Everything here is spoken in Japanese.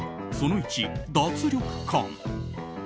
その１、脱力感。